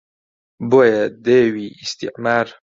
بۆیە دێوی ئیستیعمار